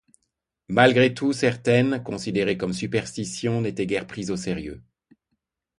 Malgré tout certaines, considérées comme superstitions, n'étaient guère prises au sérieux.